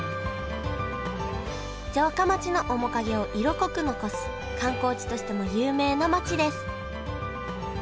城下町の面影を色濃く残す観光地としても有名な町です